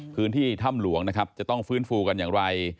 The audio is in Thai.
พื้นที่ถ้ำหลวงจะต้องฟื้นฟูอุปกรณ์อย่างไร